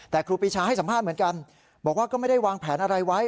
แต่ครูปีชาให้สัมภาษณ์เหมือนกันบอกว่าก็ไม่ได้วางแผนอะไรไว้